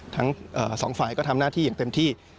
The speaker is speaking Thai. ทั้งสองฝ่ายก็ทำหน้าที่อย่างเต็มที่